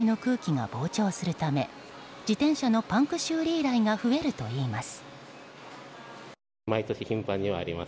気温が上がると熱でタイヤ内の空気が膨張するため自転車のパンク修理依頼が増えるといいます。